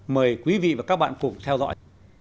mời quý vị và các bạn cùng theo dõi